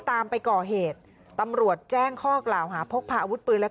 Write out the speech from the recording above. ไปก่อเหตุตำรวจแจ้งข้อกล่าวหาพกพาอาวุธปืนและ